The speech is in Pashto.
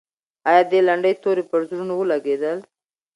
آیا د لنډۍ توري پر زړونو ولګېدل؟